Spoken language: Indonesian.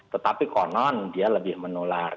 tetapi konon dia lebih menular